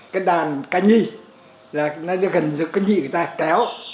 cái đàn ca nhi là nó gần như cái nhị người ta kéo